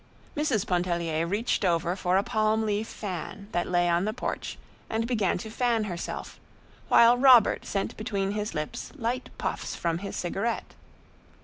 Mrs. Pontellier reached over for a palm leaf fan that lay on the porch and began to fan herself, while Robert sent between his lips light puffs from his cigarette.